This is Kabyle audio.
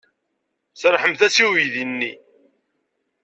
Serrḥemt-as i uydi-nni.